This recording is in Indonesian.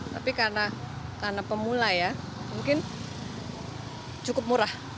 tapi karena pemula ya mungkin cukup murah